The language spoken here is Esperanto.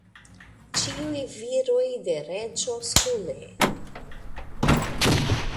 ĉiuj viroj de reĝo Skule!